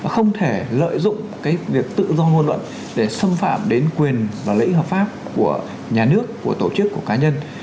không thể lợi dụng cái việc tự do ngôn luận để xâm phạm đến quyền và lĩnh hợp pháp của nhà nước của tổ chức của cá nhân